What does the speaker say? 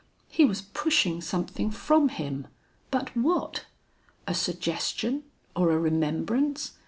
He was pushing something from him, but what? A suggestion or a remembrance?